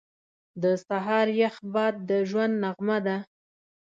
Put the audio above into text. • د سهار یخ باد د ژوند نغمه ده.